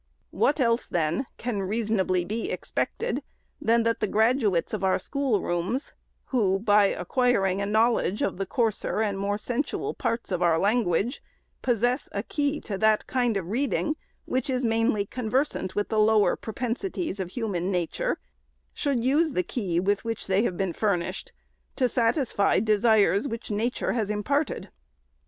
What else, then, can reasonably be expected, than that the graduates of our schoolrooms, who, by acquiring a knowledge of the coarser and more sensual parts of our language, possess a key to that kind of reading which is mainly conversant with the lower propensities of human nature, should use the key with which they have been furnished, to satisfy desires which nature has imparted